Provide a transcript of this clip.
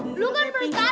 gigi gue ntar patah